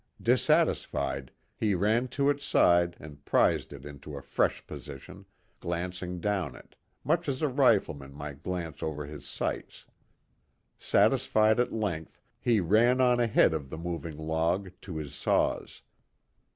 Dissatisfied, he ran to its side and prized it into a fresh position, glancing down it, much as a rifleman might glance over his sights. Satisfied at length, he ran on ahead of the moving log to his saws.